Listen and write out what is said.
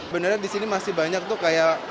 beneran di sini masih banyak tuh kayak